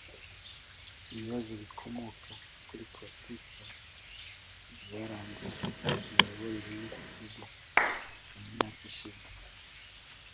ibibazo bikomoka kuri politiki zaranze imiyoborere y'igihugu mu myaka yashize.